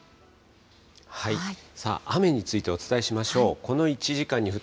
雨についてお伝えしましょう。